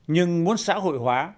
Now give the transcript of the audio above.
nhưng muốn xã hội hóa